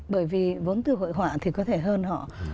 bởi vì vốn từ hội họa thì có thể hơn họ